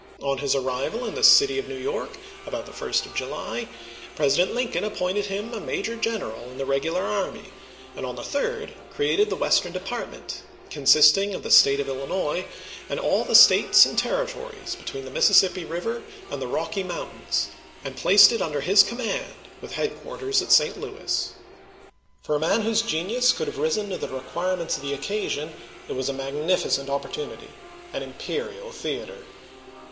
On his arrival in the city of New York, 1861. about the 1st of July, President Lincoln appointed him a major general in the regular army, and on the 3d created the Western department, consisting of the State of Illinois and all the States and Terri tories between the Mississippi River and the Rocky Mountains, and placed it under his command, with headquarters at St. Louis. For a man whose ge nius could have risen to the requirements of the occasion it was a magnificent opportunity, an im perial theater.